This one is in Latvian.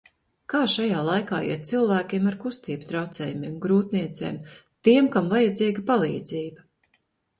Kā šajā laikā iet cilvēkiem ar kustību traucējumiem, grūtniecēm, tiem, kam vajadzīga palīdzība?